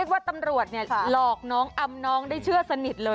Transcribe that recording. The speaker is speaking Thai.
โอ้ขอโทษ